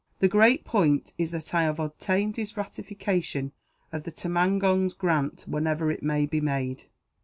"The great point is that I have obtained his ratification of the tumangong's grant, whenever it may be made."